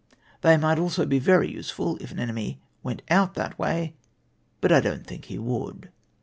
! They might also he very useful if an enemy went out that ivay, but I dont tliinh he u ould